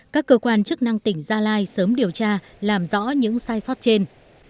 các cơ quan chức năng tỉnh gia lai sớm điều tra làm rõ những sai sót trên